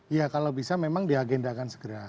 iya kalau bisa memang diagendakan segera